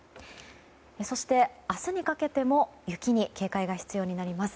そして明日にかけても雪に警戒が必要になります。